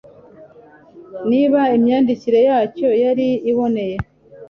niba imyandikire yacyo yari iboneye